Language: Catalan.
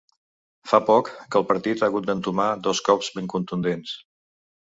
Fa poc que el partit ha hagut d’entomar dos cops ben contundents.